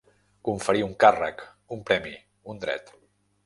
Conferir un càrrec, un premi, un dret.